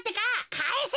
かえせ！